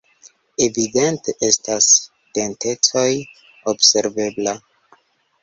Evidente estas tendencoj observeblaj.